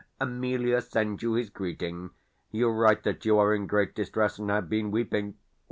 Emelia sends you his greeting. You write that you are in great distress, and have been weeping.